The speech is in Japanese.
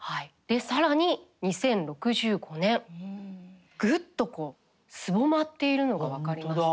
で更に２０６５年ぐっとすぼまっているのが分かります。